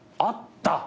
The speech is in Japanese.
あった！？